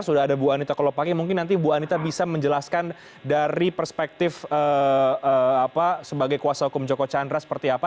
sudah ada bu anita kolopaki mungkin nanti bu anita bisa menjelaskan dari perspektif sebagai kuasa hukum joko chandra seperti apa